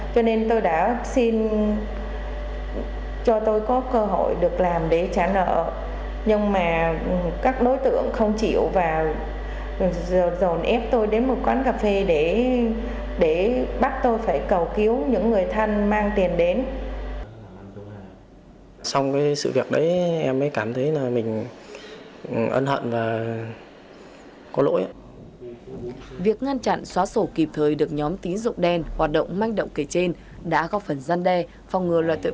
cho nên tôi đã xin cho tôi có cơ hội được làm để trả nợ